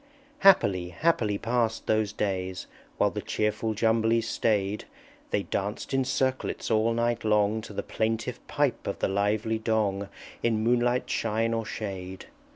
_" Happily, happily passed those days! While the cheerful Jumblies staid; They danced in circlets all night long, To the plaintive pipe of the lively Dong, In moonlight, shine, or shade.